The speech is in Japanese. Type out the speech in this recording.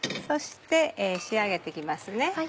そして仕上げて行きます。